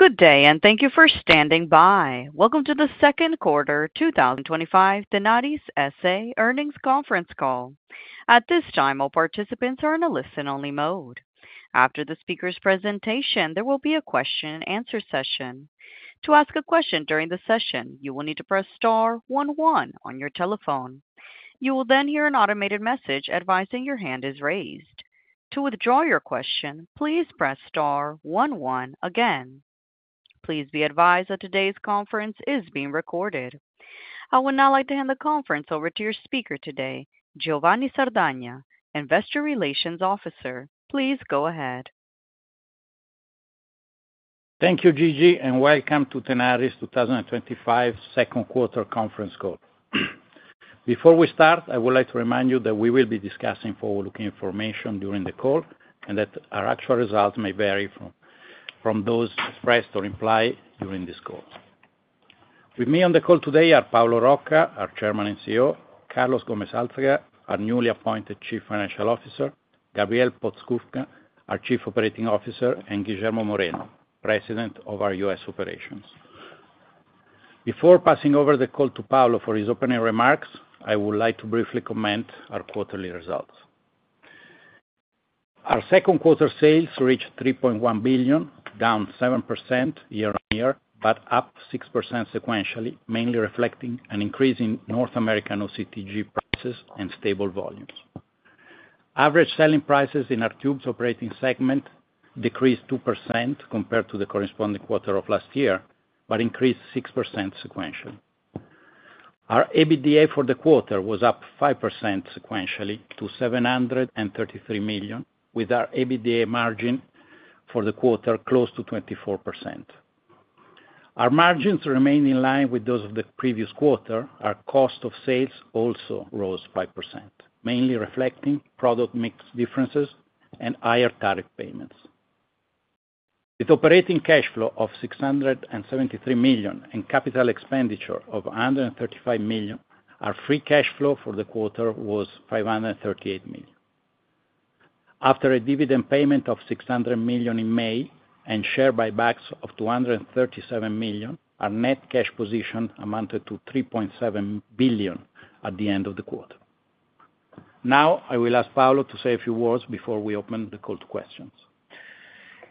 Good day, and thank you for standing by. Welcome to the Second Quarter 2025 Tenaris S.A. Earnings Conference Call. At this time, all participants are in a listen-only mode. After the speaker's presentation, there will be a question-and-answer session. To ask a question during the session, you will need to press star one one on your telephone. You will then hear an automated message advising your hand is raised. To withdraw your question, please press star one one again. Please be advised that today's conference is being recorded. I would now like to hand the conference over to your speaker today, Giovanni Sardagna, Investor Relations Officer. Please go ahead. Thank you, Gigi, and welcome to Tenaris 2025 Second Quarter Conference Call. Before we start, I would like to remind you that we will be discussing forward-looking information during the call and that our actual results may vary from those expressed or implied during this call. With me on the call today are Paolo Rocca, our Chairman and CEO; Carlos Gómez Álzaga, our newly appointed Chief Financial Officer; Gabriel Podskubka, our Chief Operating Officer; and Guillermo Moreno, President of our U.S Operations. Before passing over the call to Paolo for his opening remarks, I would like to briefly comment on our quarterly results. Our second quarter sales reached $3.1 billion, down 7% year-on-year but up 6% sequentially, mainly reflecting an increase in North American OCTG prices and stable volumes. Average selling prices in our tubes operating segment decreased 2% compared to the corresponding quarter of last year but increased 6% sequentially. Our EBITDA for the quarter was up 5% sequentially to $733 million, with our EBITDA margin for the quarter close to 24%. Our margins remain in line with those of the previous quarter. Our cost of sales also rose 5%, mainly reflecting product mix differences and higher tariff payments. With operating cash flow of $673 million and capital expenditure of $135 million, our free cash flow for the quarter was $538 million. After a dividend payment of $600 million in May and share buybacks of $237 million, our net cash position amounted to $3.7 billion at the end of the quarter. Now, I will ask Paolo to say a few words before we open the call to questions.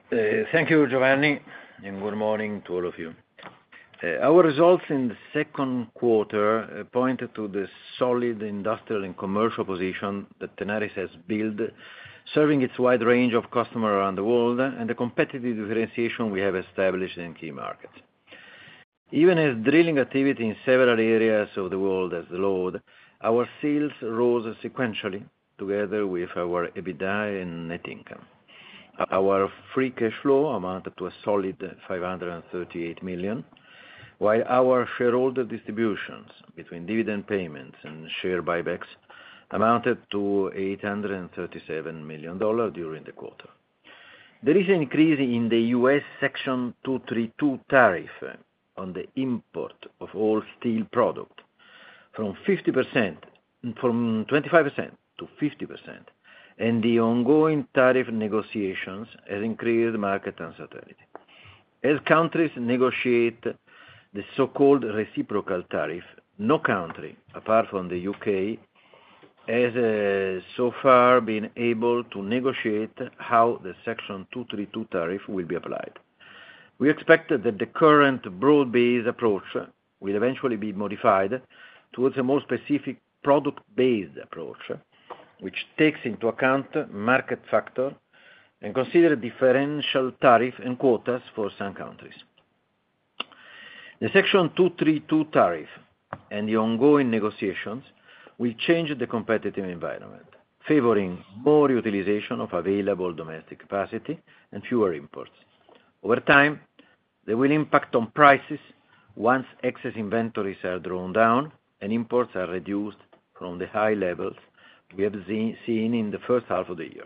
Thank you, Giovanni, and good morning to all of you. Our results in the second quarter point to the solid industrial and commercial position that Tenaris has built, serving its wide range of customers around the world and the competitive differentiation we have established in key markets. Even as drilling activity in several areas of the world has slowed, our sales rose sequentially together with our EBITDA and net income. Our free cash flow amounted to a solid $538 million, while our shareholder distributions between dividend payments and share buybacks amounted to $837 million during the quarter. There is an increase in the U.S. Section 232 tariff on the import of all steel product from 25% to 50%, and the ongoing tariff negotiations have increased market uncertainty. As countries negotiate the so-called reciprocal tariff, no country, apart from the U.K, has so far been able to negotiate how the Section 232 tariff will be applied. We expect that the current broad-based approach will eventually be modified towards a more specific product-based approach, which takes into account market factors and considers differential tariffs and quotas for some countries. The Section 232 tariff and the ongoing negotiations will change the competitive environment, favoring more utilization of available domestic capacity and fewer imports. Over time, there will be an impact on prices once excess inventories are drawn down and imports are reduced from the high levels we have seen in the first half of the year.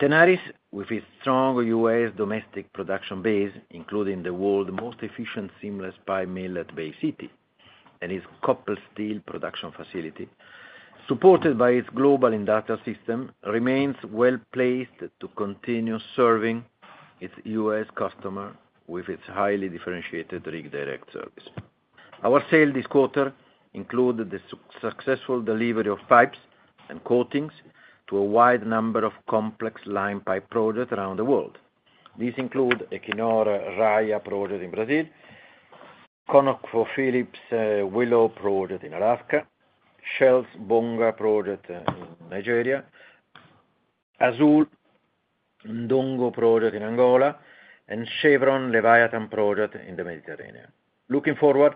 Tenaris, with its strong U.S. domestic production base, including the world's most efficient seamless pipe mill at Bay City and its Coppel Steel Facility, supported by its global industrial system, remains well-placed to continue serving its U.S. customers with its highly differentiated Rig Direct service. Our sales this quarter included the successful delivery of pipes and coatings to a wide number of complex line pipe projects around the world. These include Equinor Raia project in Brazil, ConocoPhillips Willow project in Alaska, Shell's Bonga project in Nigeria, TotalEnergies Ndungu project in Angola, and Chevron Leviathan project in the Mediterranean. Looking forward,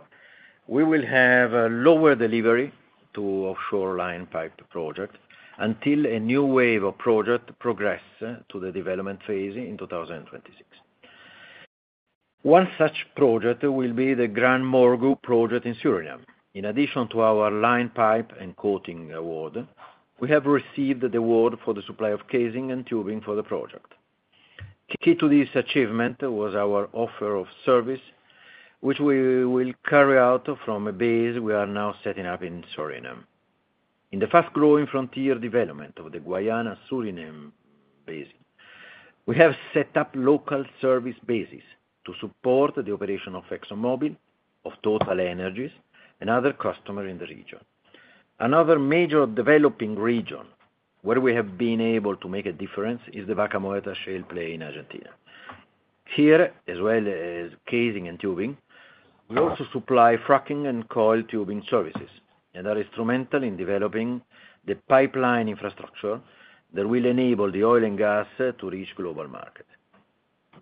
we will have lower delivery to offshore line pipe projects until a new wave of projects progresses to the development phase in 2026. One such project will be the Grand Morgan project in Suriname. In addition to our line pipe and coating award, we have received the award for the supply of casing and tubing for the project. Key to this achievement was our offer of service, which we will carry out from a base we are now setting up in Suriname. In the fast-growing frontier development of the Guyana-Suriname basin, we have set up local service bases to support the operation of ExxonMobil, TotalEnergies, and other customers in the region. Another major developing region where we have been able to make a difference is the Vaca Muerta shale play in Argentina. Here, as well as casing and tubing, we also supply fracking and coiled tubing services, and are instrumental in developing the pipeline infrastructure that will enable the oil and gas to reach global markets.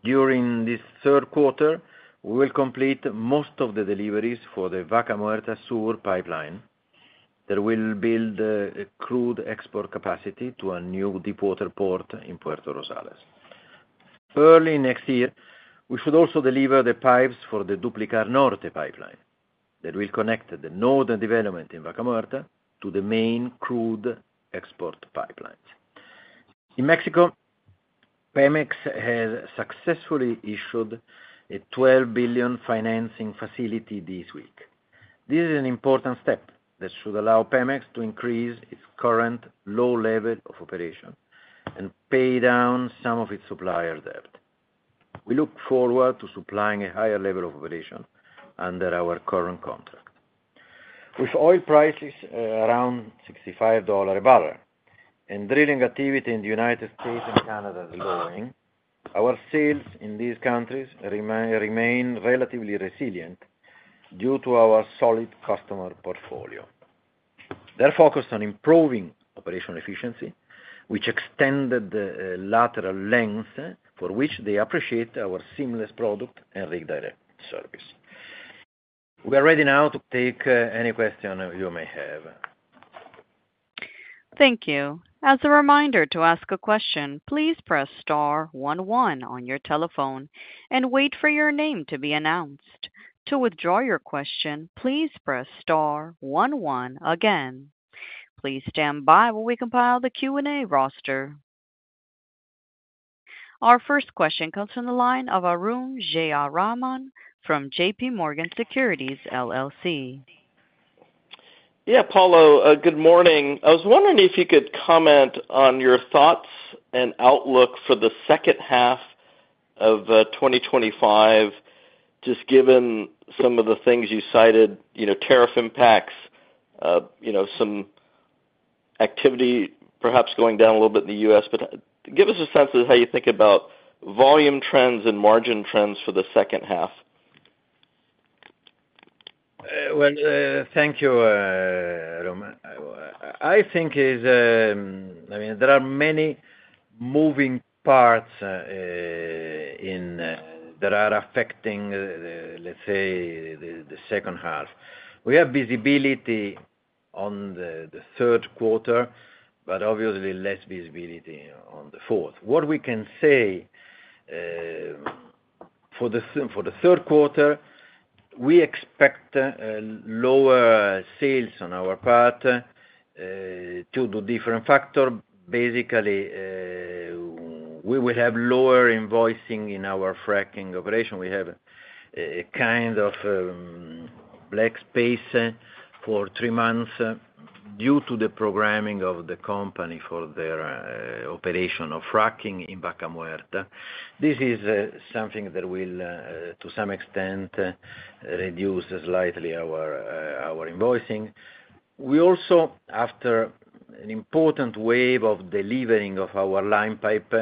During this third quarter, we will complete most of the deliveries for the Vaca Muerta Sur pipeline that will build crude export capacity to a new deep-water port in Puerto Rosales. Early next year, we should also deliver the pipes for the Duplicar Norte pipeline that will connect the northern development in Vaca Muerta to the main crude export pipelines. In Mexico, Pemex has successfully issued a $12 billion financing facility this week. This is an important step that should allow Pemex to increase its current low level of operation and pay down some of its supplier debt. We look forward to supplying a higher level of operation under our current contract. With oil prices around $65 a barrel and drilling activity in the United States and Canada slowing, our sales in these countries remain relatively resilient due to our solid customer portfolio. They're focused on improving operational efficiency, which extended the lateral length for which they appreciate our seamless product and Rig Direct service. We are ready now to take any question you may have. Thank you. As a reminder to ask a question, please press star one one on your telephone and wait for your name to be announced. To withdraw your question, please press star one one again. Please stand by while we compile the Q&A roster. Our first question comes from the line of Arun Jayaram from JPMorgan Chase & Co Yeah, Paolo, good morning. I was wondering if you could comment on your thoughts and outlook for the second half of 2025. Just given some of the things you cited, tariff impacts, some activity perhaps going down a little bit in the U.S., but give us a sense of how you think about volume trends and margin trends for the second half. Thank you, Arun. I think there are many moving parts that are affecting, let's say, the second half. We have visibility on the third quarter, but obviously less visibility on the fourth. What we can say for the third quarter, we expect lower sales on our part due to different factors. Basically, we will have lower invoicing in our fracking operation. We have a kind of black space for three months due to the programming of the company for their operation of fracking in Vaca Muerta. This is something that will, to some extent, reduce slightly our invoicing. We also, after an important wave of delivering of our line pipe,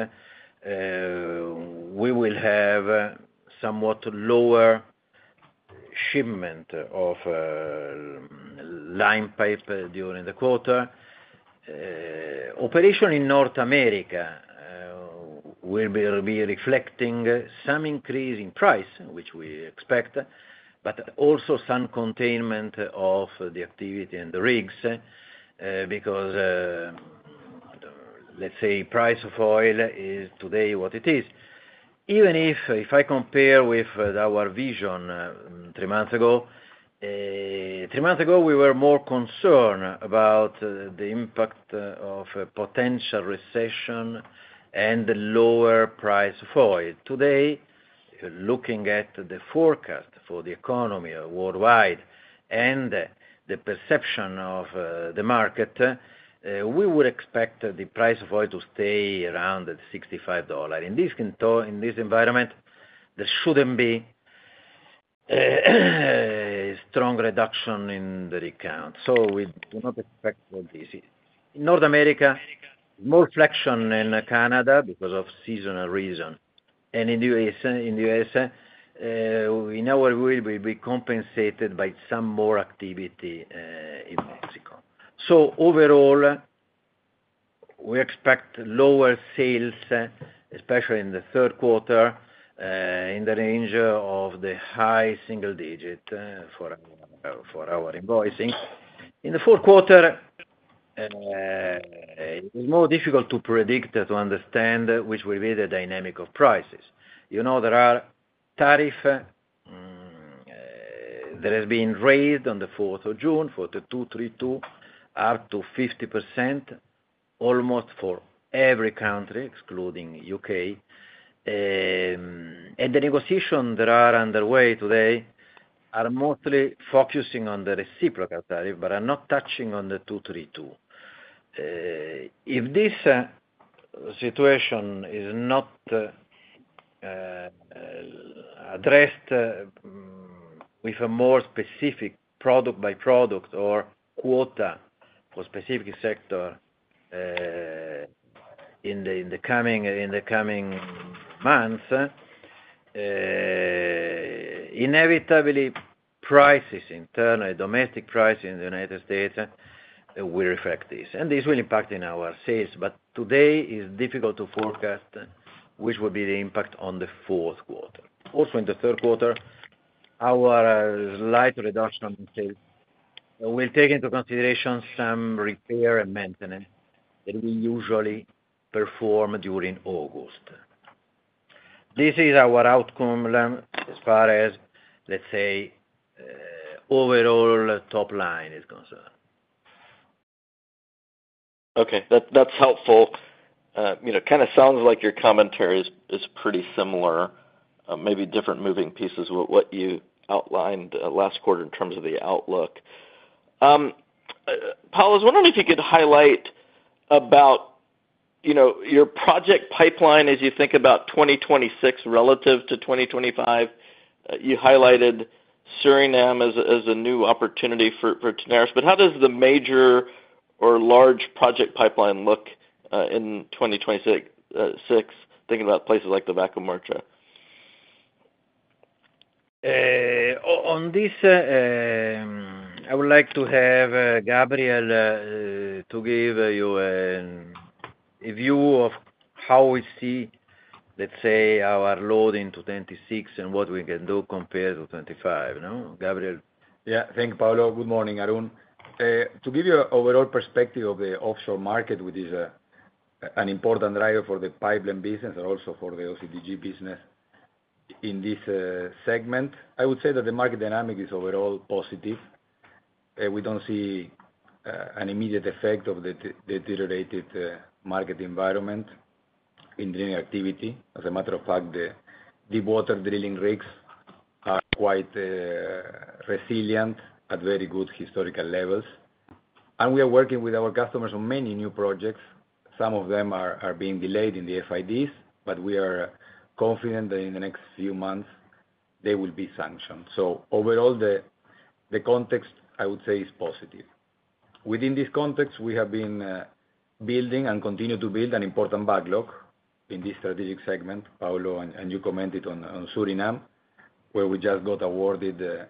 will have somewhat lower shipment of line pipe during the quarter. Operation in North America will be reflecting some increase in price, which we expect, but also some containment of the activity and the rigs because, let's say, the price of oil is today what it is. Even if I compare with our vision three months ago, three months ago, we were more concerned about the impact of a potential recession and lower price of oil. Today, looking at the forecast for the economy worldwide and the perception of the market, we would expect the price of oil to stay around $65. In this environment, there shouldn't be a strong reduction in the rig count. We do not expect this. In North America, more flexion in Canada because of seasonal reasons, and in the U.S., in our world, will be compensated by some more activity in Mexico. Overall, we expect lower sales, especially in the third quarter, in the range of the high single digit for our invoicing. In the fourth quarter, it is more difficult to predict to understand which will be the dynamic of prices. You know there are tariffs that have been raised on the 4th of June, 42, 32, up to 50% almost for every country, excluding the U.K. The negotiations that are underway today are mostly focusing on the reciprocal tariff, but are not touching on the Section 232. If this situation is not addressed with a more specific product by product or quota for a specific sector in the coming months, inevitably, prices internally, domestic prices in the United States, will reflect this, and this will impact our sales. Today, it's difficult to forecast which will be the impact on the fourth quarter. Also, in the third quarter, our slight reduction in sales will take into consideration some repair and maintenance that we usually perform during August. This is our outcome as far as, let's say, overall top line is concerned. Okay. That's helpful. It kind of sounds like your commentary is pretty similar, maybe different moving pieces with what you outlined last quarter in terms of the outlook. Paolo, I was wondering if you could highlight your project pipeline as you think about 2026 relative to 2025. You highlighted Suriname as a new opportunity for Tenaris. How does the major or large project pipeline look in 2026, thinking about places like the Vaca Muerta? On this, I would like to have Gabriel give you a view of how we see, let's say, our load into 2026 and what we can do compared to 2025. Gabriel. Yeah. Thank you, Paolo. Good morning, Arun. To give you an overall perspective of the offshore market, which is an important driver for the pipeline business and also for the OCTG business. In this segment, I would say that the market dynamic is overall positive. We don't see an immediate effect of the deteriorated market environment in drilling activity. As a matter of fact, the deep-water drilling rigs are quite resilient at very good historical levels. We are working with our customers on many new projects. Some of them are being delayed in the FIDs, but we are confident that in the next few months, they will be sanctioned. Overall, the context, I would say, is positive. Within this context, we have been building and continue to build an important backlog in this strategic segment. Paolo, you commented on Suriname, where we just got awarded a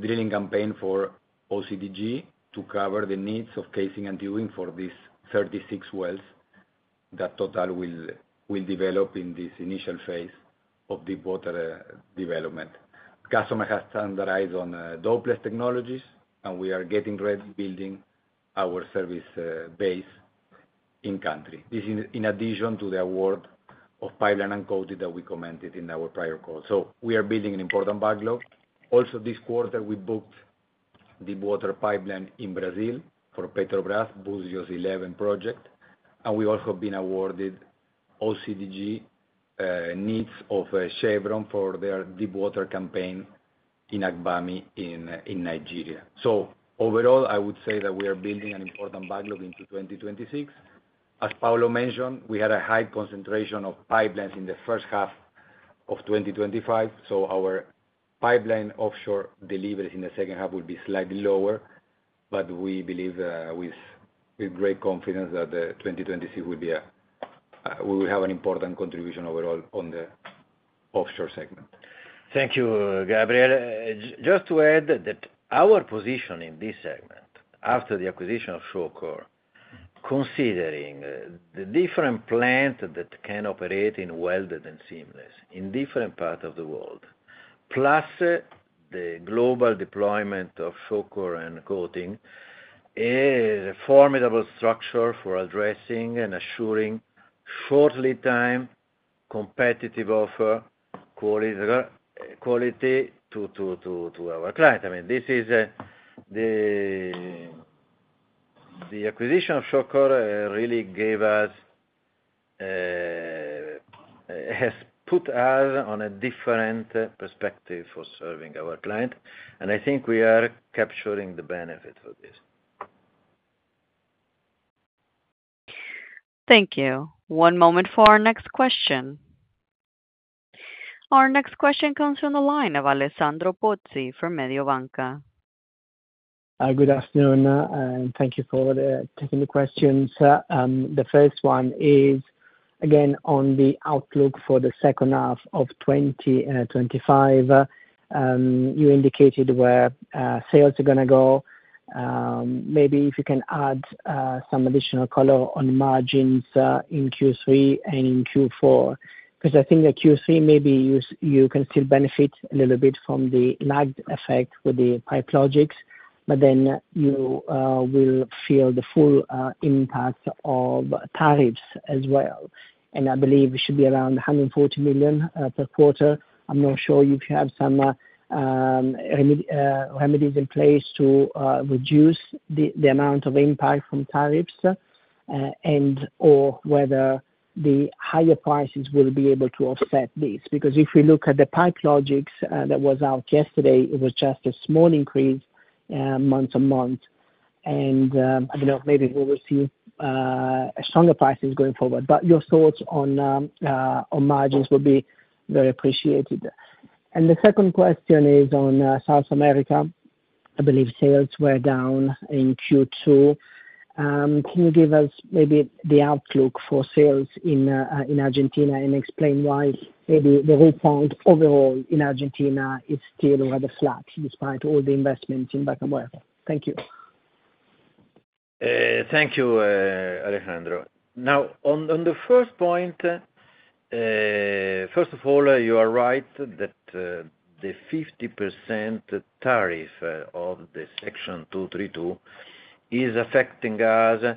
drilling campaign for OCTG to cover the needs of casing and tubing for these 36 wells that TotalEnergies will develop in this initial phase of deep-water development. The customer has standardized on dope-less technologies, and we are getting ready building our service base in-country. This is in addition to the award of pipeline and coating that we commented in our prior call. We are building an important backlog. Also, this quarter, we booked deep-water pipeline in Brazil for Petrobras Búzios 11 project. We also have been awarded OCTG needs of Chevron for their deep-water campaign in Agbami in Nigeria. Overall, I would say that we are building an important backlog into 2026. As Paolo mentioned, we had a high concentration of pipelines in the first half of 2025. Our pipeline offshore deliveries in the second half will be slightly lower, but we believe with great confidence that 2026 will have an important contribution overall on the offshore segment. Thank you, Gabriel. Just to add that our position in this segment, after the acquisition of Shawcor, considering the different plants that can operate in wells and seamless in different parts of the world, plus the global deployment of Shawcor and coating, is a formidable structure for addressing and assuring short lead time, competitive offer, quality to our client. I mean, this is—the acquisition of Shawcor really gave us—has put us on a different perspective for serving our client. I think we are capturing the benefits of this. Thank you. One moment for our next question. Our next question comes from the line of Alessandro Pozzi from Mediobanca. Good afternoon. Thank you for taking the questions. The first one is, again, on the outlook for the second half of 2025. You indicated where sales are going to go. Maybe if you can add some additional color on margins in Q3 and in Q4, because I think that Q3 maybe you can still benefit a little bit from the lagged effect with the pipeLogix, but then you will feel the full impact of tariffs as well. I believe it should be around $140 million per quarter. I'm not sure if you have some remedies in place to reduce the amount of impact from tariffs and/or whether the higher prices will be able to offset this. If we look at the pipeLogixs that was out yesterday, it was just a small increase month to month. I don't know, maybe we will see stronger prices going forward. Your thoughts on margins will be very appreciated. The second question is on South America. I believe sales were down in Q2. Can you give us maybe the outlook for sales in Argentina and explain why maybe the refund overall in Argentina is still rather flat despite all the investments in Vaca Muerta? Thank you. Thank you, Alessandro. Now, on the first point. First of all, you are right that the 50% tariff of the Section 232 is affecting us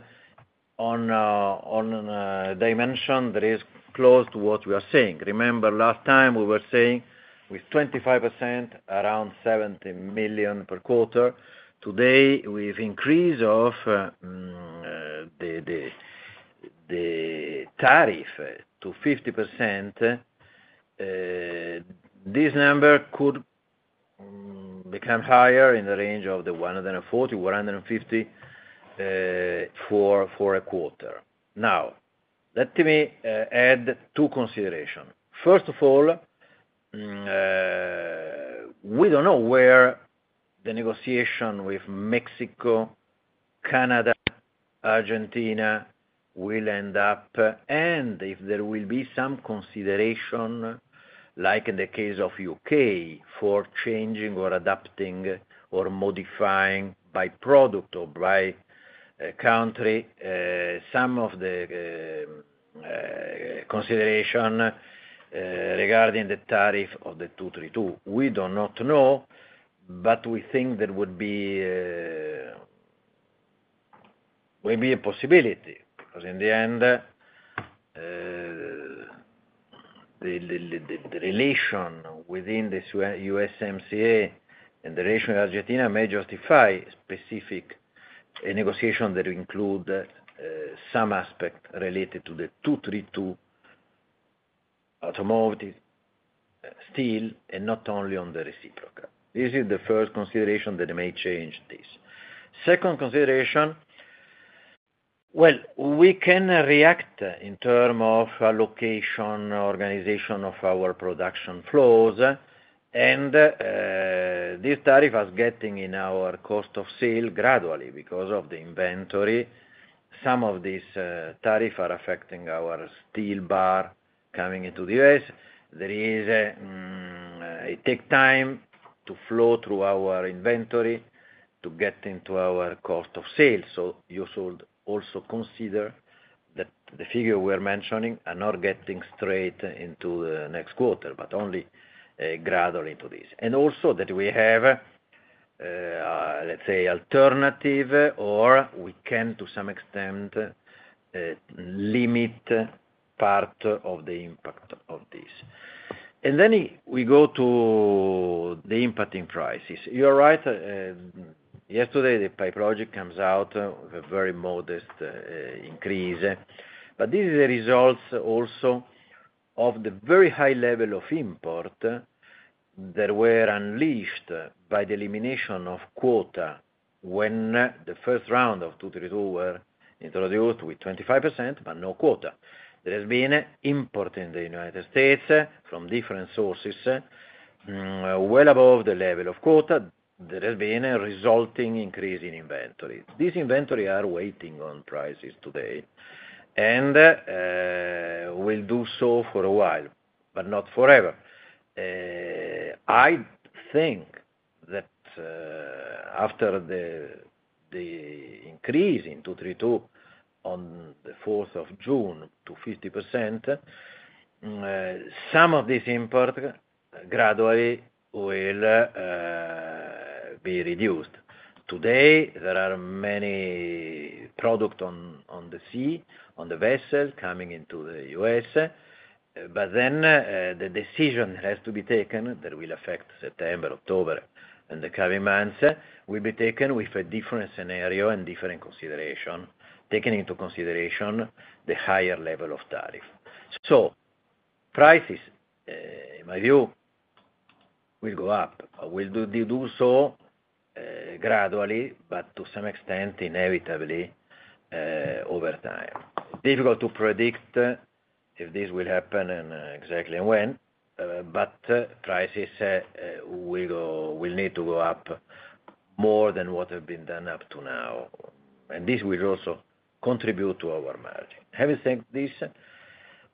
on a dimension that is close to what we are seeing. Remember, last time we were saying with 25%, around $70 million per quarter. Today, with the increase of the tariff to 50%, this number could become higher in the range of $140 million, $150 million for a quarter. Now, let me add two considerations. First of all, we don't know where the negotiation with Mexico, Canada, Argentina will end up, and if there will be some consideration, like in the case of the UK, for changing or adapting or modifying by product or by country, some of the consideration regarding the tariff of the 232. We do not know, but we think there would be a possibility because in the end, the relation within the USMCA and the relation with Argentina may justify specific negotiations that include some aspect related to the 232, automotive, steel, and not only on the reciprocal. This is the first consideration that may change this. Second consideration, we can react in terms of allocation, organization of our production flows. This tariff is getting in our cost of sale gradually because of the inventory. Some of these tariffs are affecting our steel bar coming into the U.S. There is a take time to flow through our inventory to get into our cost of sale. You should also consider that the figure we're mentioning are not getting straight into the next quarter, but only gradually into this, and also that we have, let's say, alternative or we can to some extent limit part of the impact of this. Then we go to the impact in prices. You're right. Yesterday, the Pipe Logix comes out with a very modest increase, but this is the result also of the very high level of import that were unleashed by the elimination of quota when the first round of 232 were introduced with 25%, but no quota. There has been import in the United States from different sources well above the level of quota that has been a resulting increase in inventory. These inventories are waiting on prices today and will do so for a while, but not forever. I think that after the increase in 232 on the 4th of June to 50%, some of this import gradually will be reduced. Today, there are many products on the sea, on the vessels coming into the U.S. The decision has to be taken that will affect September, October, and the coming months, and will be taken with a different scenario and different consideration, taking into consideration the higher level of tariff. Prices, in my view, will go up. They will do so gradually, but to some extent, inevitably, over time. It's difficult to predict if this will happen exactly and when, but prices will need to go up more than what has been done up to now. This will also contribute to our margin. Having said this,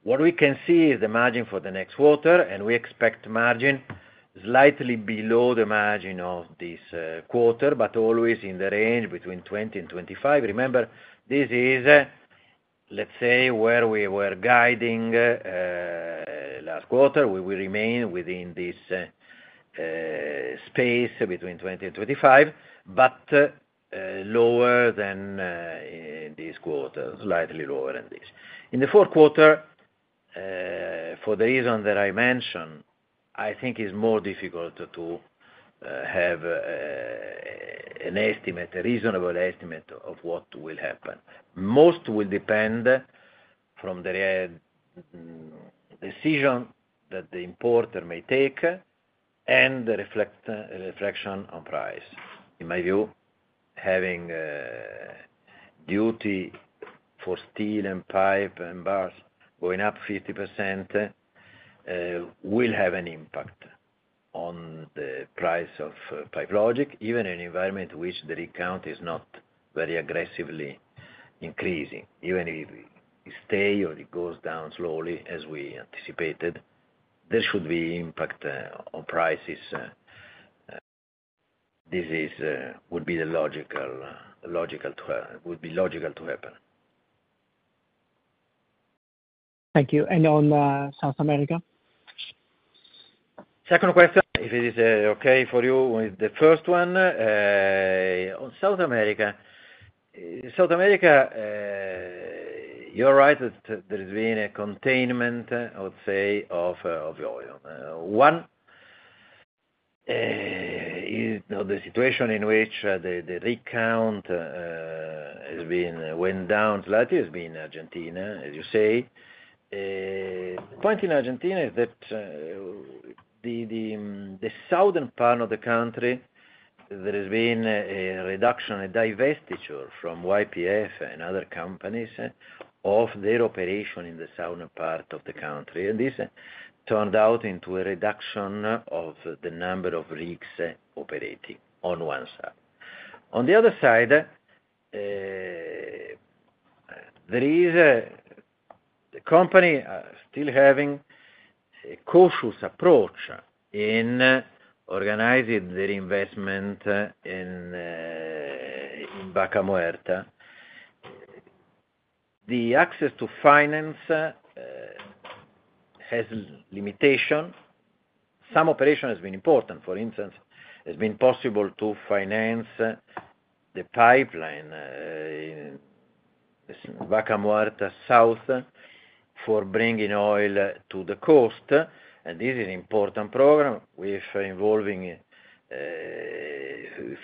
what we can see is the margin for the next quarter, and we expect margin slightly below the margin of this quarter, but always in the range between 20% and 25%. Remember, this is where we were guiding last quarter. We will remain within this space between 20% and 25%, but lower than this quarter, slightly lower than this in the fourth quarter. For the reason that I mentioned, I think it's more difficult to have an estimate, a reasonable estimate of what will happen. Most will depend on the decision that the importer may take and the reflection on price. In my view, having duty for steel and pipe and bars going up 50% will have an impact on the price of pipe, logically, even in an environment in which the rig count is not very aggressively increasing. Even if it stays or it goes down slowly as we anticipated, there should be impact on prices. This would be the logical to happen. Thank you. On South America? Second question, if it is okay for you with the first one. On South America. You're right that there has been a containment, I would say, of oil. One is the situation in which the rig count has gone down slightly. It has been Argentina, as you say. The point in Argentina is that the southern part of the country, there has been a reduction in divestiture from YPF and other companies of their operation in the southern part of the country, and this turned out into a reduction of the number of rigs operating on one side. On the other side, there is a company still having a cautious approach in organizing their investment in Vaca Muerta. The access to finance has limitations. Some operation has been important. For instance, it has been possible to finance the pipeline in Vaca Muerta South for bringing oil to the coast, and this is an important program involving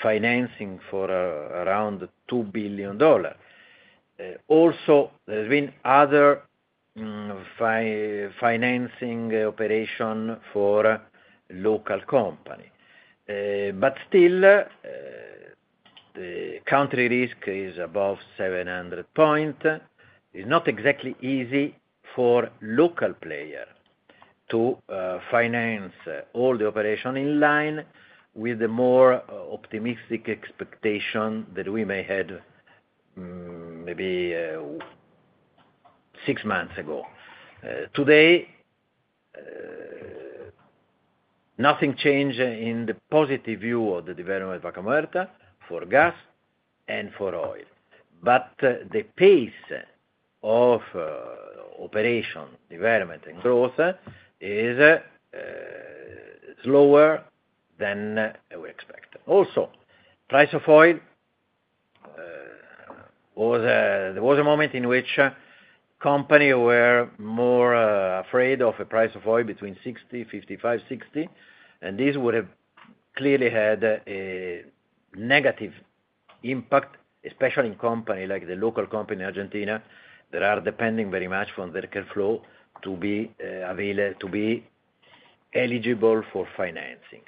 financing for around $2 billion. Also, there has been other financing operation for local companies. Still, the country risk is above 700 points. It's not exactly easy for local players to finance all the operation in line with the more optimistic expectation that we may have, maybe six months ago. Today, nothing changed in the positive view of the development of Vaca Muerta for gas and for oil, but the pace of operation, development, and growth is slower than we expected. Also, price of oil, there was a moment in which companies were more afraid of a price of oil between $55, $60, and this would have clearly had a negative impact, especially in companies like the local company in Argentina that are depending very much on their cash flow to be eligible for financing.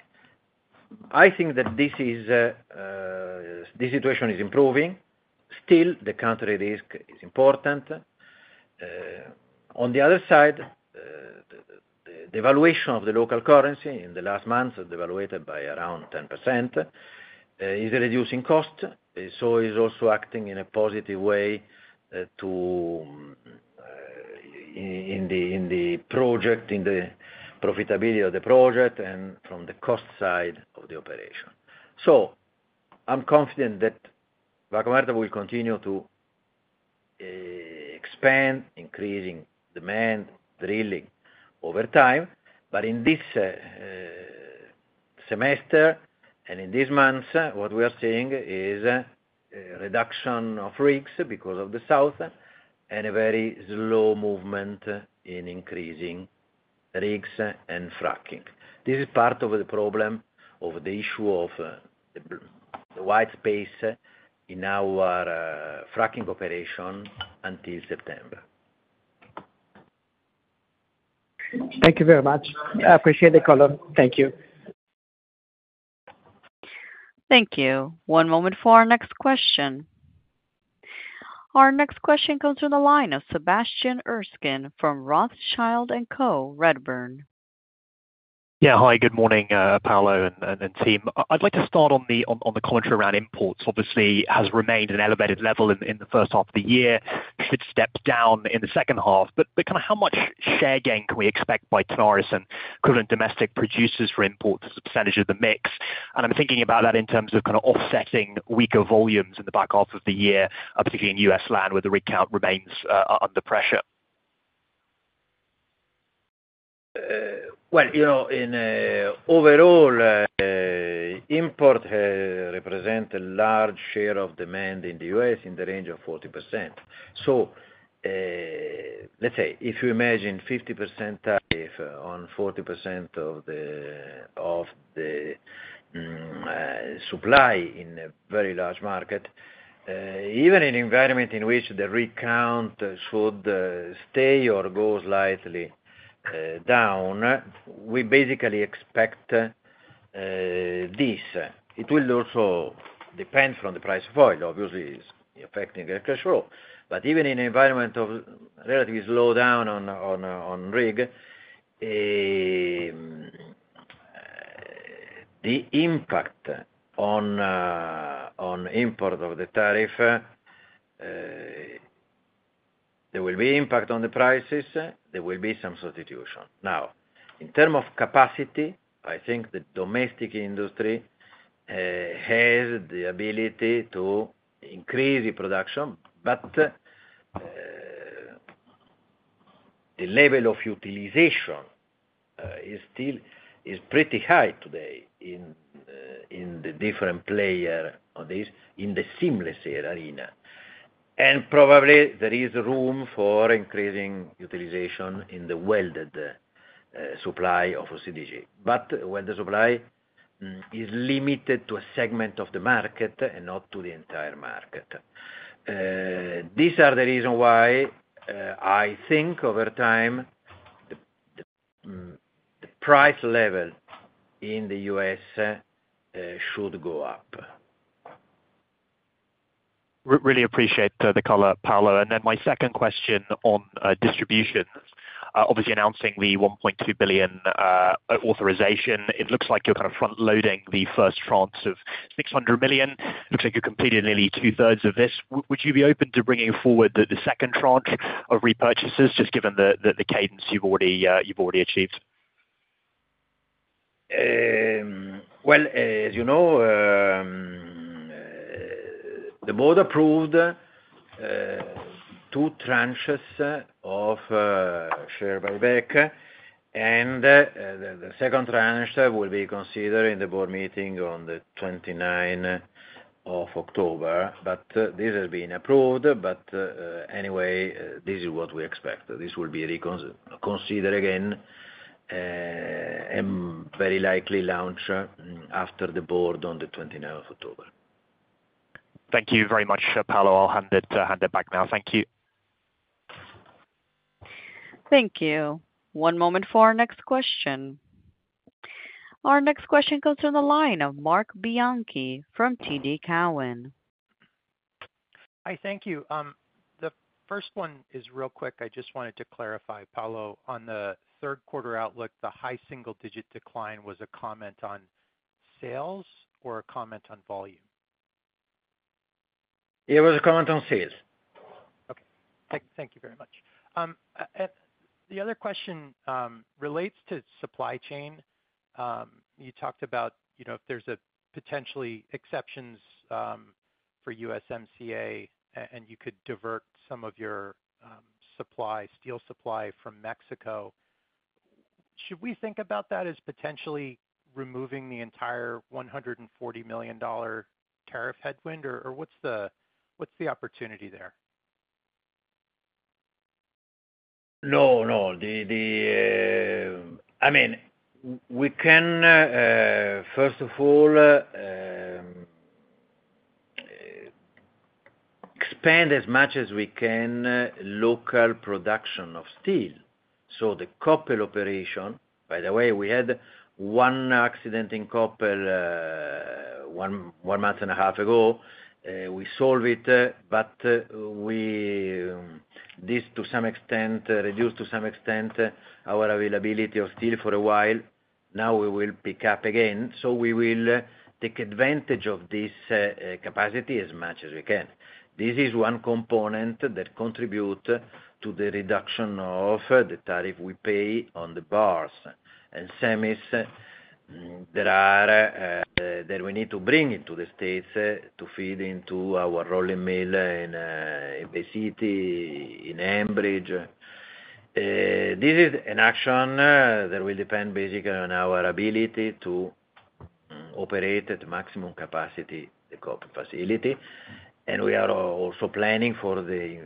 I think that this situation is improving. Still, the country risk is important. On the other side, the valuation of the local currency in the last months is devaluated by around 10%. It is reducing costs, so it's also acting in a positive way in the project, in the profitability of the project, and from the cost side of the operation. I'm confident that Vaca Muerta will continue to expand, increasing demand, drilling over time. In this semester and in these months, what we are seeing is a reduction of rigs because of the south and a very slow movement in increasing rigs and fracking. This is part of the problem of the issue of the white space in our fracking operation until September. Thank you very much. I appreciate the color. Thank you. Thank you. One moment for our next question. Our next question comes from the line of Sebastian Erskine fromRothschild & Co Redburn Yeah. Hi. Good morning, Paolo and team. I'd like to start on the commentary around imports. Obviously, it has remained at an elevated level in the first half of the year. It's stepped down in the second half. How much share gain can we expect by tariffs and equivalent domestic producers for imports as a percentage of the mix? I'm thinking about that in terms of offsetting weaker volumes in the back half of the year, particularly in U.S. land where the rig count remains under pressure. Overall, import represents a large share of demand in the U.S. in the range of 40%. If you imagine a 50% tariff on 40% of the supply in a very large market, even in an environment in which the rig count should stay or go slightly down, we basically expect this. It will also depend on the price of oil, obviously, affecting the cash flow. Even in an environment of relatively slowdown on rig, the impact on import of the tariff, there will be an impact on the prices. There will be some substitution. In terms of capacity, I think the domestic industry has the ability to increase production, but the level of utilization is pretty high today in the different players in the seamless arena. Probably, there is room for increasing utilization in the welded supply of OCTG, but welded supply is limited to a segment of the market and not to the entire market. These are the reasons why I think over time the price level in the U.S. should go up. Really appreciate the color, Paolo. My second question on distribution. Obviously, announcing the $1.2 billion authorization. It looks like you're kind of front-loading the first tranche of $600 million. It looks like you've completed nearly two-thirds of this. Would you be open to bringing forward the second tranche of repurchases, just given the cadence you've already achieved? As you know, the board approved two tranches of share buyback, and the second tranche will be considered in the board meeting on the 29th of October. This has been approved. This is what we expect. This will be reconsidered again and very likely launched after the board on the 29th of October. Thank you very much, Paolo. I'll hand it back now. Thank you. Thank you. One moment for our next question. Our next question comes from the line of Marc Gregory Bianchi from TD Cowen. Hi. Thank you. The first one is real quick. I just wanted to clarify, Paolo, on the third-quarter outlook, the high single-digit decline was a comment on sales or a comment on volume? It was a comment on sales. Okay. Thank you very much. The other question relates to supply chain. You talked about if there's potentially exceptions for USMCA and you could divert some of your steel supply from Mexico. Should we think about that as potentially removing the entire $140 million tariff headwind, or what's the opportunity there? No, no. I mean, we can, first of all, expand as much as we can local production of steel. The Coppel operation, by the way, we had one accident in Coppel one month and a half ago. We solved it, but this, to some extent, reduced our availability of steel for a while. Now we will pick up again. We will take advantage of this capacity as much as we can. This is one component that contributes to the reduction of the tariff we pay on the bars and semis that we need to bring into the states to feed into our rolling mill in Bay City, in Ambridge. This is an action that will depend basically on our ability to operate at maximum capacity, the Coppel facility. We are also planning for the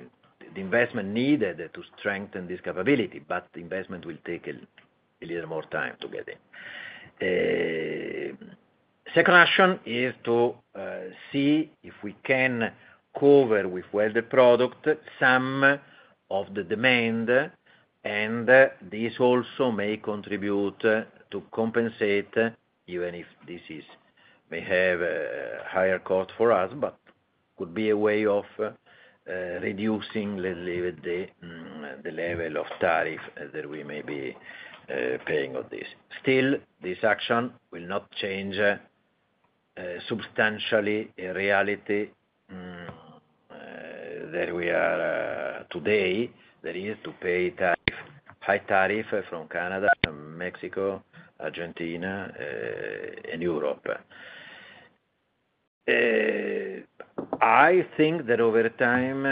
investment needed to strengthen this capability, but the investment will take a little more time to get in. Second action is to see if we can cover with welded product some of the demand. This also may contribute to compensate, even if this may have a higher cost for us, but could be a way of reducing, let's leave it, the level of tariff that we may be paying on this. Still, this action will not change substantially the reality that we are today, that is to pay high tariff from Canada, Mexico, Argentina, and Europe. I think that over time,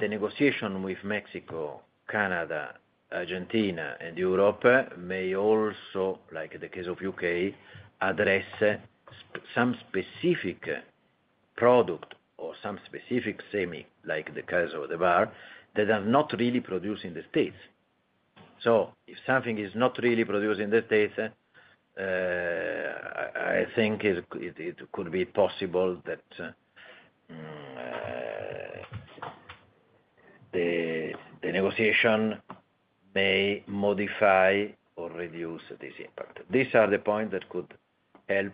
the negotiation with Mexico, Canada, Argentina, and Europe may also, like in the case of the UK, address some specific product or some specific semi, like the case of the bar, that are not really produced in the states. If something is not really produced in the states, I think it could be possible that the negotiation may modify or reduce this impact. These are the points that could help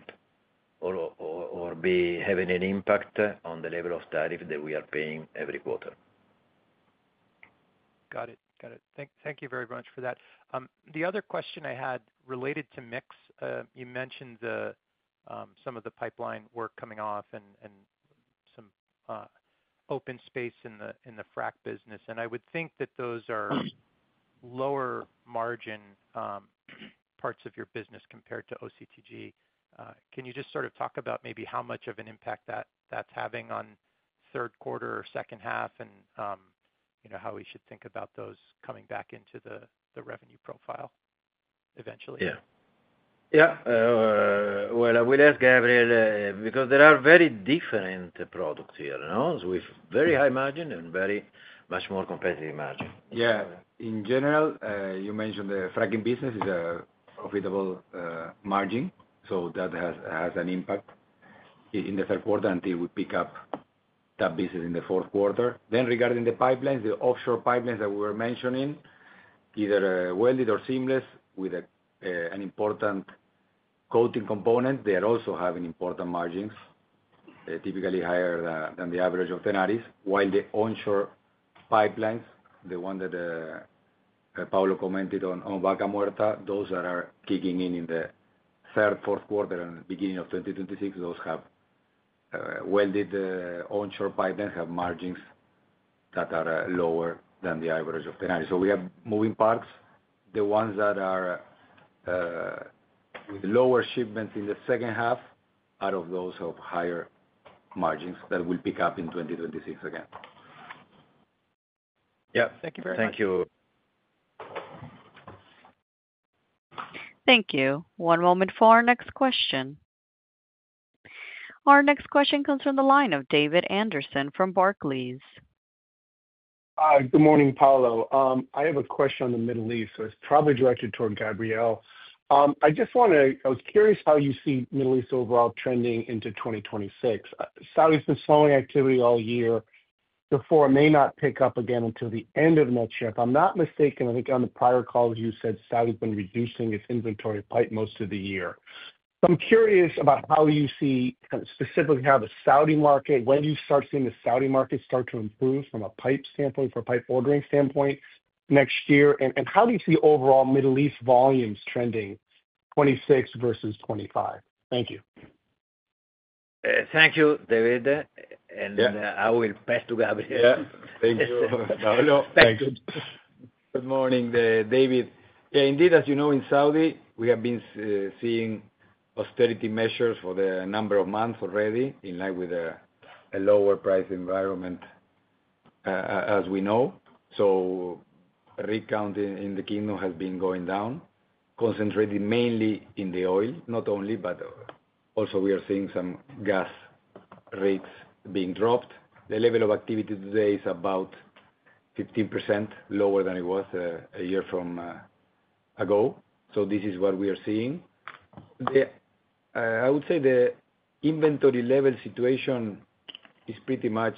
or be having an impact on the level of tariff that we are paying every quarter. Got it. Thank you very much for that. The other question I had related to mix. You mentioned some of the pipeline work coming off and some open space in the fracking business. I would think that those are lower margin parts of your business compared to OCTG. Can you just sort of talk about maybe how much of an impact that's having on third quarter or second half and how we should think about those coming back into the revenue profile eventually? Yeah. I will ask Gabriel because there are very different products here, with very high margin and very much more competitive margin. In general, you mentioned the fracking business is a profitable margin. That has an impact. In the third quarter until we pick up that business in the fourth quarter. Regarding the pipelines, the offshore pipelines that we were mentioning, either welded or seamless, with an important coating component, they also have important margins. Typically higher than the average of Tenaris. While the onshore pipelines, the ones that Paolo commented on in Vaca Muerta, those that are kicking in in the third, fourth quarter and beginning of 2026, those have welded onshore pipelines with margins that are lower than the average of Tenaris. We have moving parts, the ones that are with lower shipments in the second half, out of those have higher margins that will pick up in 2026 again. Yeah, thank you very much. Thank you. Thank you. One moment for our next question. Our next question comes from the line of J. David Anderson from Barclays Bank PLC. Hi. Good morning, Paolo. I have a question on the Middle East. It's probably directed toward Gabriel. I was curious how you see Middle East overall trending into 2026. Saudi's been slowing activity all year. Therefore, it may not pick up again until the end of next year. If I'm not mistaken, I think on the prior calls, you said Saudi's been reducing its inventory pipe most of the year. I'm curious about how you see specifically how the Saudi market—when do you start seeing the Saudi market start to improve from a pipe standpoint, from a pipe ordering standpoint next year? How do you see overall Middle East volumes trending 2026 versus 2025? Thank you. Thank you, David. I will pass to Gabriel. Thank you. Thank you. Good morning, David. Yeah, indeed, as you know, in Saudi, we have been seeing austerity measures for a number of months already, in line with a lower price environment. As we know, rig count in the kingdom has been going down, concentrated mainly in the oil, not only, but also we are seeing some gas rigs being dropped. The level of activity today is about 15% lower than it was a year ago. This is what we are seeing. I would say the inventory level situation is pretty much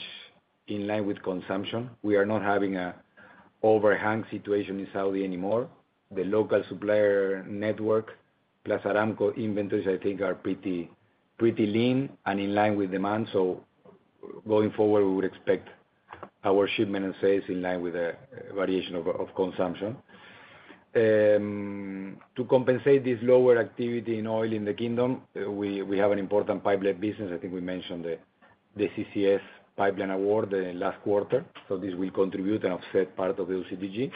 in line with consumption. We are not having an overhang situation in Saudi anymore. The local supplier network, plus Aramco inventories, I think, are pretty lean and in line with demand. Going forward, we would expect our shipment and sales in line with the variation of consumption. To compensate this lower activity in oil in the kingdom, we have an important pipeline business. I think we mentioned the CCS pipeline award last quarter. This will contribute and offset part of the OCTG.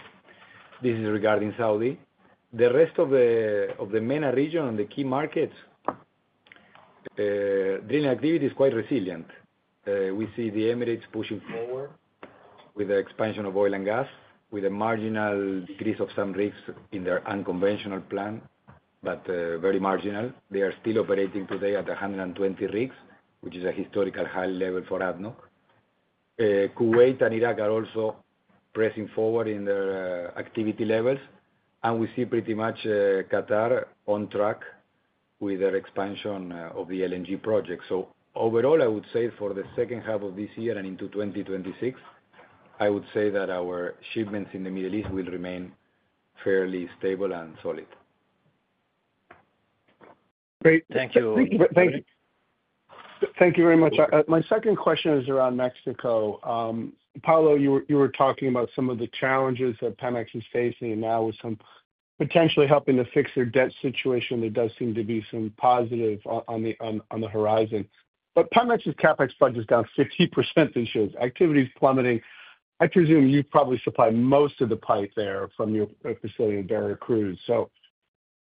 This is regarding Saudi. The rest of the MENA region and the key markets, drilling activity is quite resilient. We see the Emirates pushing forward with the expansion of oil and gas, with a marginal decrease of some rigs in their unconventional plan, but very marginal. They are still operating today at 120 rigs, which is a historical high level for ADNOC. Kuwait and Iraq are also pressing forward in their activity levels, and we see pretty much Qatar on track with their expansion of the LNG project. Overall, I would say for the second half of this year and into 2026, I would say that our shipments in the Middle East will remain fairly stable and solid. Great. Thank you. Thank you very much. My second question is around Mexico. Paolo, you were talking about some of the challenges that Pemex is facing now with some potentially helping to fix their debt situation. There does seem to be some positive on the horizon. Pemex's CapEx budget's down 50% this year. Activity is plummeting. I presume you probably supply most of the pipe there from your facility in Veracruz.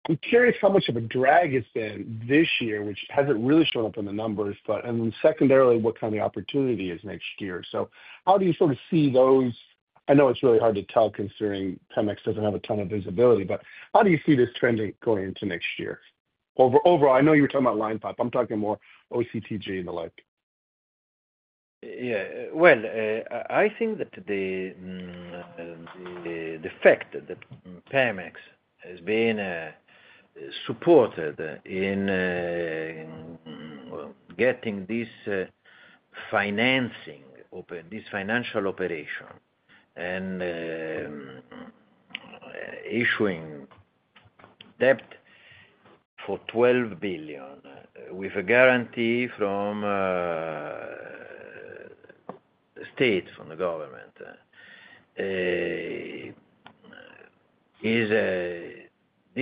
I'm curious how much of a drag it's been this year, which hasn't really shown up in the numbers. Secondarily, what kind of opportunity is next year? How do you sort of see those? I know it's really hard to tell considering Pemex doesn't have a ton of visibility, but how do you see this trend going into next year? Overall, I know you were talking about line pipe. I'm talking more OCTG and the like. I think that the fact that Pemex has been supported in getting this financing open, this financial operation, and issuing debt for $12 billion with a guarantee from the state, from the government,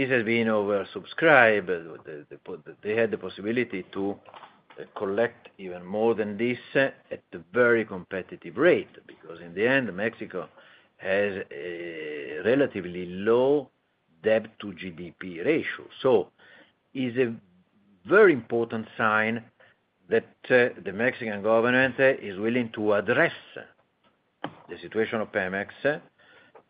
has been oversubscribed. They had the possibility to collect even more than this at a very competitive rate because in the end, Mexico has a relatively low debt-to-GDP ratio. It's a very important sign that the Mexican government is willing to address the situation of Pemex,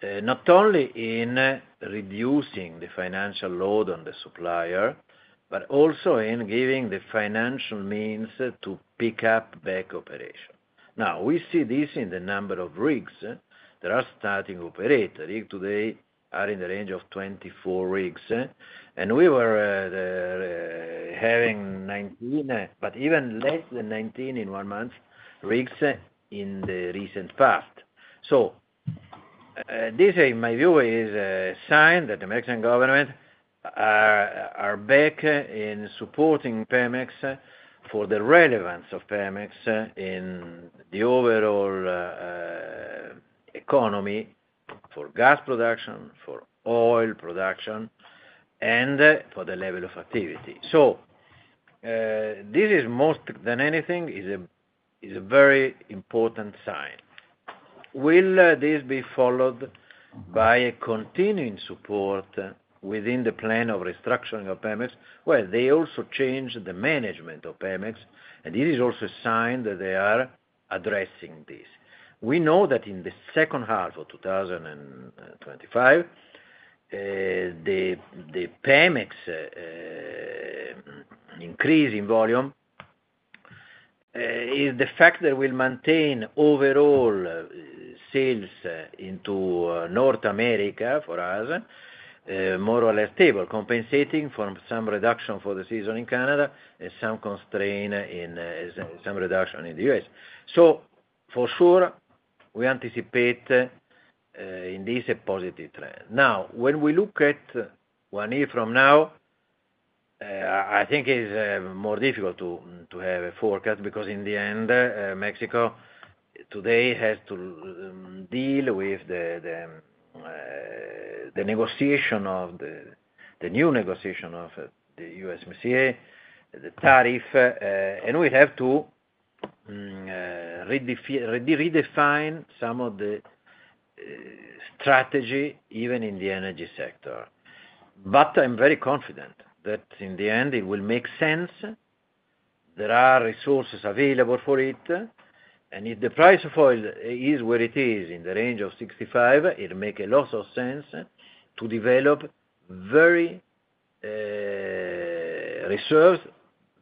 not only in reducing the financial load on the supplier, but also in giving the financial means to pick up back operation. We see this in the number of rigs that are starting to operate. Rigs today are in the range of 24 rigs, and we were having 19, but even less than 19 in one month rigs in the recent past. This, in my view, is a sign that the Mexican government is back in supporting Pemex for the relevance of Pemex in the overall economy, for gas production, for oil production, and for the level of activity. This is, more than anything, a very important sign. Will this be followed by a continuing support within the plan of restructuring of Pemex? They also changed the management of Pemex, and this is also a sign that they are addressing this. We know that in the second half of 2025, the Pemex increase in volume is the fact that will maintain overall sales into North America for us more or less stable, compensating for some reduction for the season in Canada and some constraint in some reduction in the U.S. For sure, we anticipate in this a positive trend. Now, when we look at one year from now, I think it's more difficult to have a forecast because in the end, Mexico today has to deal with the new negotiation of the USMCA, the tariff, and we have to redefine some of the strategy even in the energy sector. I'm very confident that in the end, it will make sense. There are resources available for it, and if the price of oil is where it is, in the range of $65, it makes a lot of sense to develop reserves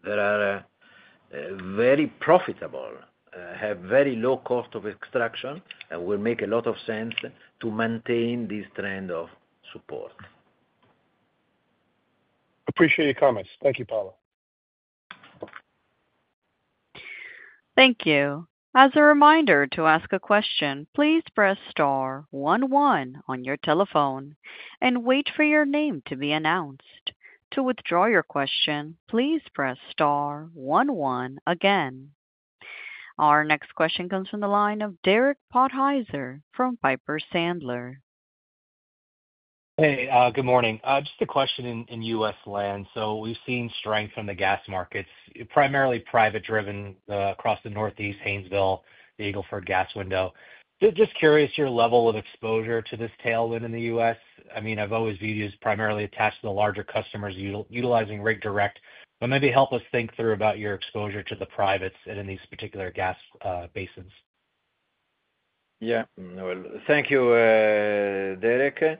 that are very profitable, have very low cost of extraction, and will make a lot of sense to maintain this trend of support. Appreciate your comments. Thank you, Paolo. Thank you. As a reminder to ask a question, please press star one one on your telephone and wait for your name to be announced. To withdraw your question, please press star one one again. Our next question comes from the line of Derek John Podhaizer from Piper Sandler & Co. Hey, good morning. Just a question in US land. We've seen strength in the gas markets, primarily private-driven across the Northeast, Haynesville, the Eagle Ford gas window. Just curious your level of exposure to this tailwind in the U.S. I mean, I've always viewed you as primarily attached to the larger customers utilizing Rig Direct. Maybe help us think through about your exposure to the privates in these particular gas basins. Thank you, Derek.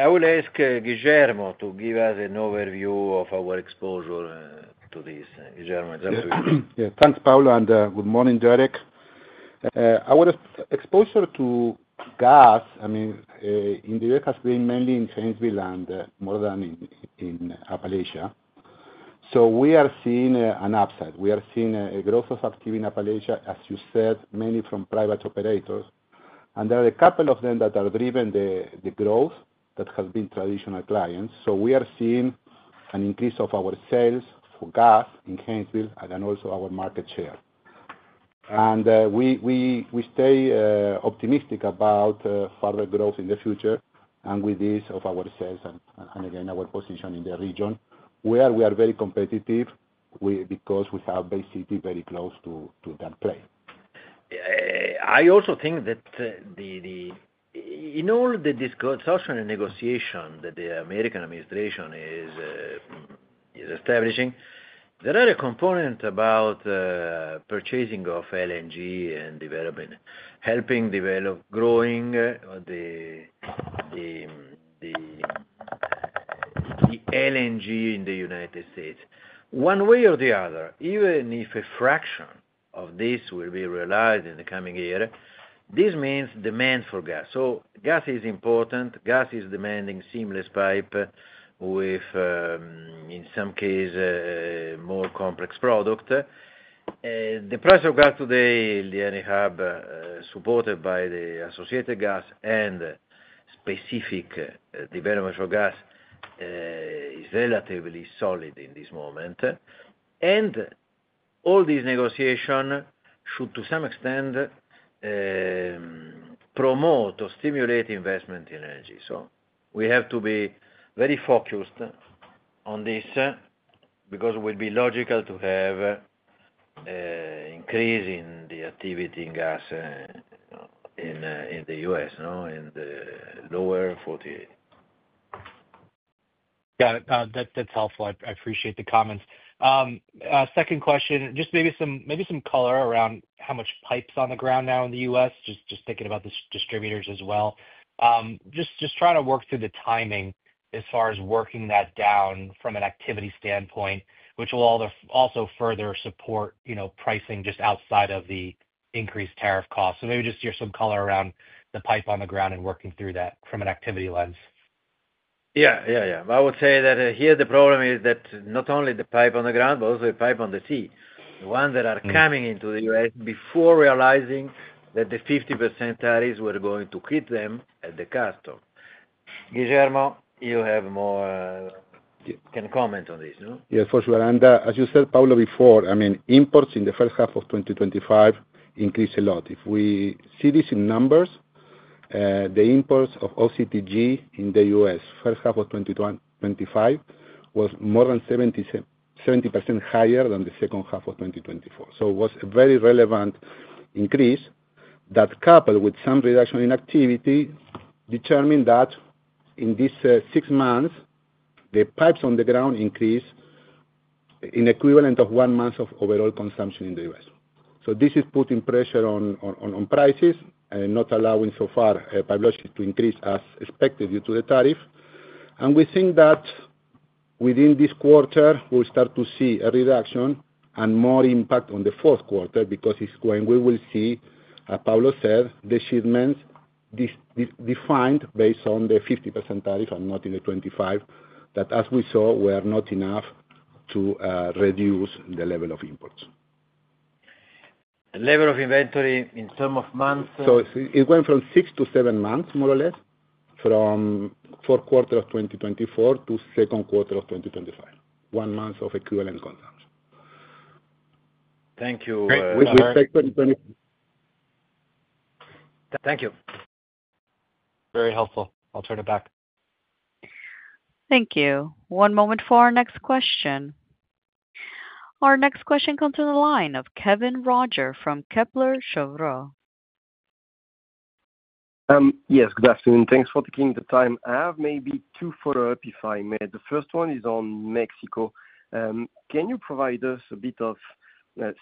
I will ask Guillermo to give us an overview of our exposure to this. Guillermo, it's up to you. Yeah. Thanks, Paolo. Good morning, Derek. Our exposure to gas in the U.S. has been mainly in Haynesville and more than in Appalachia. We are seeing an upside. We are seeing a growth of activity in Appalachia, as you said, mainly from private operators. There are a couple of them that are driving the growth that has been traditional clients. We are seeing an increase of our sales for gas in Haynesville and also our market share. We stay optimistic about further growth in the future with this of our sales and, again, our position in the region where we are very competitive because we have Bay City very close to that play. Yeah. I also think that in all the discussion and negotiation that the American administration is establishing, there are components about purchasing of LNG and helping growing the LNG in the United States. One way or the other, even if a fraction of this will be realized in the coming year, this means demand for gas. Gas is important. Gas is demanding seamless pipe, with, in some cases, more complex product. The price of gas today, in the end, you have supported by the associated gas and specific development for gas. Is relatively solid in this moment. All these negotiations should, to some extent, promote or stimulate investment in energy. We have to be very focused on this because it would be logical to have an increase in the activity in gas in the US and lower 48. Got it. That's helpful. I appreciate the comments. Second question, just maybe some color around how much pipe's on the ground now in the U.S., just thinking about the distributors as well. Just trying to work through the timing as far as working that down from an activity standpoint, which will also further support pricing just outside of the increased tariff cost. Maybe just hear some color around the pipe on the ground and working through that from an activity lens. Yeah. I would say that here the problem is that not only the pipe on the ground, but also the pipe on the sea, the ones that are coming into the U.S. before realizing that the 50% tariffs were going to hit them at the custom. Guillermo, you have more. Can comment on this, no? Yeah, for sure. As you said, Paolo, before, imports in the first half of 2025 increased a lot. If we see this in numbers, the imports of OCTG in the U.S., first half of 2025, was more than 70% higher than the second half of 2024. It was a very relevant increase that, coupled with some reduction in activity, determined that in these six months, the pipes on the ground increased in the equivalent of one month of overall consumption in the U.S. This is putting pressure on prices and not allowing so far Tenaris to increase as expected due to the tariff. We think that within this quarter, we'll start to see a reduction and more impact on the fourth quarter because it's when we will see, as Paolo said, the shipments defined based on the 50% tariff and not in the 25% that, as we saw, were not enough to reduce the level of imports. Level of inventory in terms of months? It went from six to seven months, more or less, from the fourth quarter of 2024 to the second quarter of 2025, one month of equivalent consumption. Thank you. Thank you. Very helpful. I'll turn it back. Thank you. One moment for our next question. Our next question comes from the line of Kevin Roger from Kepler Cheuvreux. Yes. Good afternoon. Thanks for taking the time. I have maybe two follow-ups, if I may. The first one is on Mexico. Can you provide us a bit of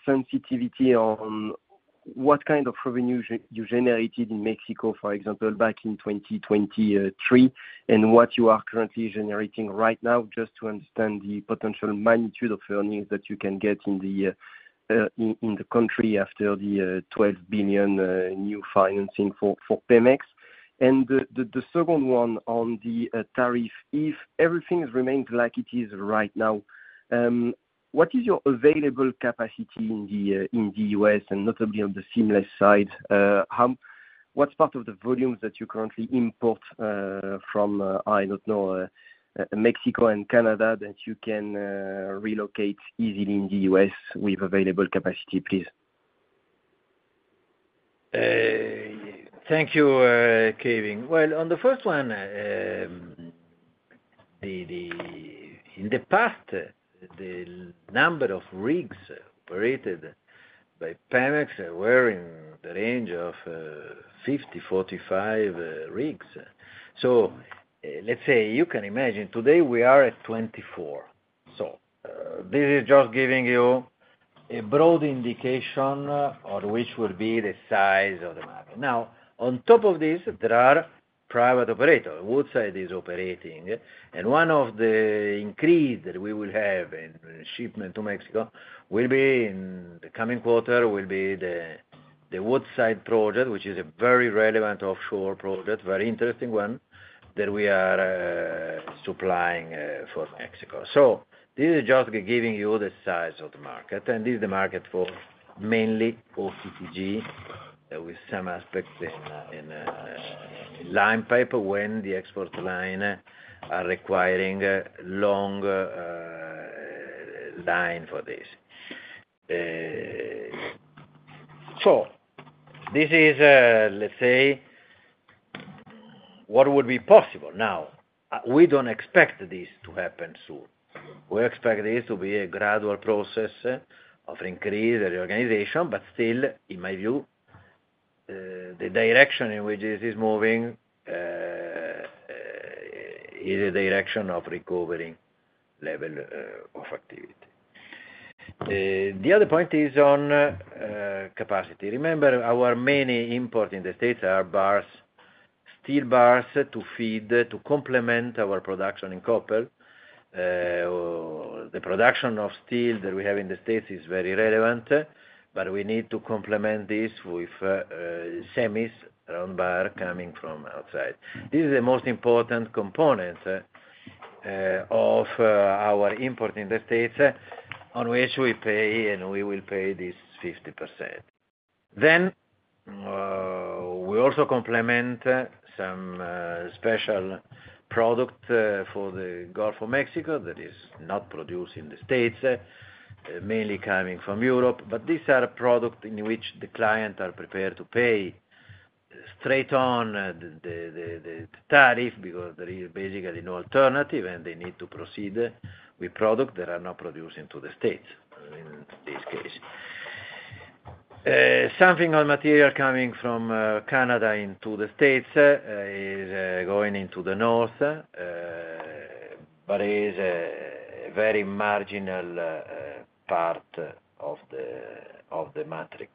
sensitivity on what kind of revenue you generated in Mexico, for example, back in 2023, and what you are currently generating right now, just to understand the potential magnitude of earnings that you can get in the country after the $12 billion new financing for Pemex? The second one on the tariff, if everything remains like it is right now, what is your available capacity in the U.S., and notably on the seamless side? What’s part of the volumes that you currently import from, I don't know, Mexico and Canada that you can relocate easily in the U.S. with available capacity, please? Thank you, Kevin. On the first one, in the past, the number of rigs operated by Pemex were in the range of 50, 45 rigs. Let's say you can imagine today we are at 24. This is just giving you a broad indication of which will be the size of the market. On top of this, there are private operators, Woodside is operating, and one of the increases that we will have in shipment to Mexico will be in the coming quarter, will be the Woodside project, which is a very relevant offshore project, very interesting one that we are supplying for Mexico. This is just giving you the size of the market, and this is the market mainly for OCTG, with some aspects in line pipe when the export lines are requiring long lines for this. This is, let's say, what would be possible. We don't expect this to happen soon. We expect this to be a gradual process of increase and reorganization. Still, in my view, the direction in which this is moving is a direction of recovering level of activity. The other point is on capacity. Remember, our main import in the U.S. are bars, steel bars to feed, to complement our production in Coppel. The production of steel that we have in the U.S. is very relevant, but we need to complement this with semis round bar coming from outside. This is the most important component of our import in the U.S. on which we pay, and we will pay this 50%. We also complement some special product for the Gulf of Mexico that is not produced in the U.S., mainly coming from Europe. These are products in which the client is prepared to pay straight on the tariff because there is basically no alternative, and they need to proceed with products that are not produced in the U.S. in this case. Something on material coming from Canada into the U.S. is going into the north, but is a very marginal part of the matrix.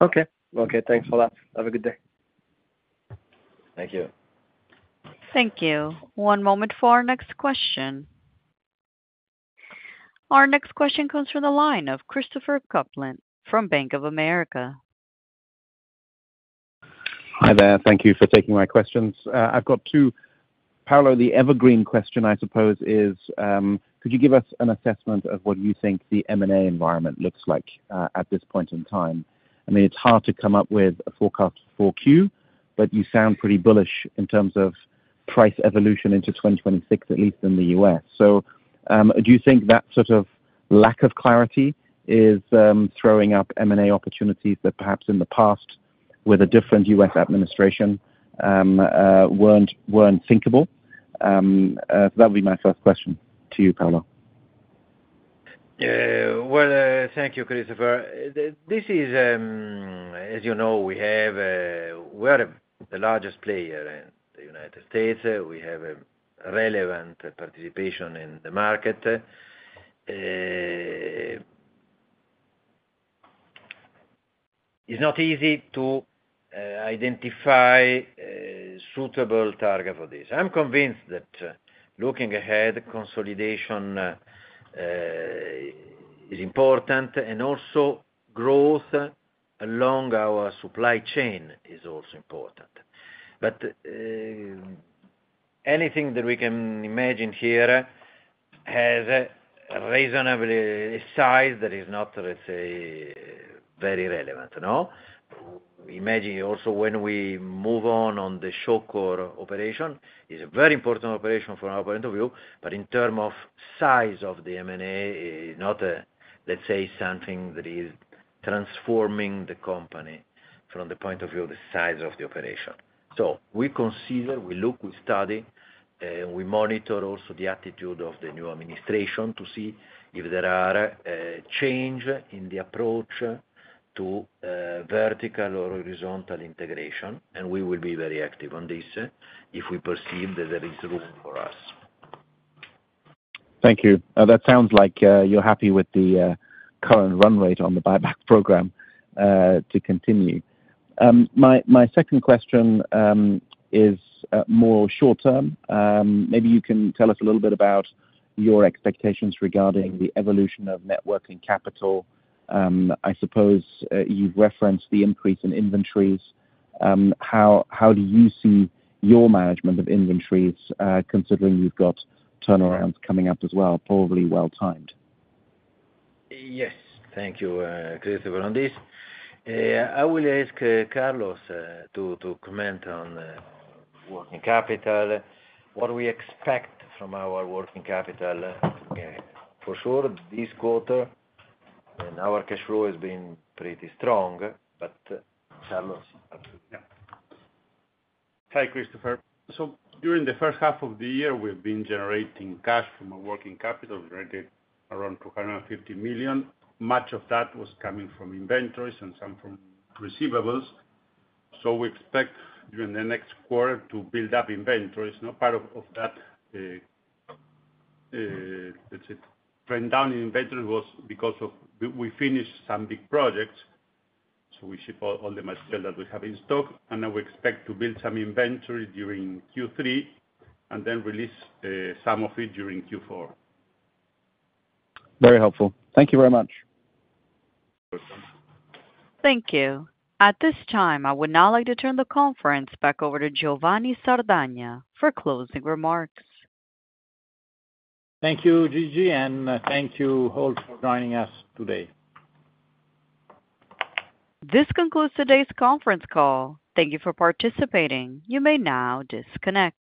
Okay. Thanks a lot. Have a good day. Thank you. Thank you. One moment for our next question. Our next question comes from the line of Christopher Kuplent from Bank of America. Hi, there. Thank you for taking my questions. I've got two. Paolo, the evergreen question, I suppose, is could you give us an assessment of what you think the M&A environment looks like at this point in time? I mean, it's hard to come up with a forecast for Q, but you sound pretty bullish in terms of price evolution into 2026, at least in the U.S. Do you think that sort of lack of clarity is throwing up M&A opportunities that perhaps in the past, with a different U.S. administration, weren't thinkable? That would be my first question to you, Paolo. Thank you, Christopher. As you know, we are the largest player in the United States. We have a relevant participation in the market. It's not easy to identify a suitable target for this. I'm convinced that looking ahead, consolidation is important and also growth along our supply chain is also important. Anything that we can imagine here has a reasonably size that is not, let's say, very relevant. Imagine also when we move on the Shawcor operation, it's a very important operation from our point of view. In terms of size of the M&A, not, let's say, something that is transforming the company from the point of view of the size of the operation. We consider, we look, we study, and we monitor also the attitude of the new administration to see if there is a change in the approach to vertical or horizontal integration. We will be very active on this if we perceive that there is room for us. Thank you. That sounds like you're happy with the current run rate on the buyback program. To continue, my second question is more short-term. Maybe you can tell us a little bit about your expectations regarding the evolution of working capital. I suppose you've referenced the increase in inventories. How do you see your management of inventories considering you've got turnarounds coming up as well, probably well-timed? Yes. Thank you, Christopher, on this. I will ask Carlos to comment on working capital, what we expect from our working capital. For sure, this quarter and our cash flow has been pretty strong. Carlos. Hi, Christopher. During the first half of the year, we've been generating cash from our working capital, generated around $250 million. Much of that was coming from inventories and some from receivables. We expect during the next quarter to build up inventories. Part of that trend down in inventory was because we finished some big projects, so we ship all the materials that we have in stock. We expect to build some inventory during Q3 and then release some of it during Q4. Very helpful. Thank you very much. Of course. Thank you. At this time, I would now like to turn the conference back over to Giovanni Sardagna for closing remarks. Thank you, Gigi, and thank you all for joining us today. This concludes today's conference call. Thank you for participating. You may now disconnect.